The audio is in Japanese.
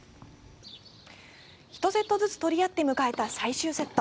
１セットずつ取り合って迎えた最終セット。